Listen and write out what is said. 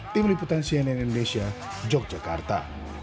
tim liputan cnn indonesia yogyakarta